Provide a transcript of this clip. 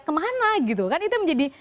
kemana gitu kan